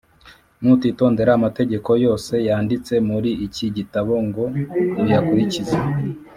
Nutitondera amategeko yose yanditse muri iki gitabo ngo uyakurikize,